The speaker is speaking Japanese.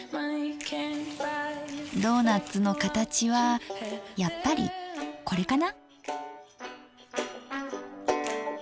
ドーナッツの形はやっぱりこれかな？